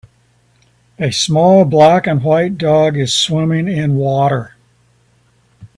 A small black and white dog is swimming in water.